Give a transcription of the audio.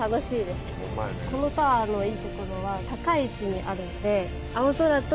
このタワーのいいところは高い位置にあるので。